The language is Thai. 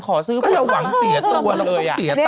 ก็เราหวังเสียตัวเลย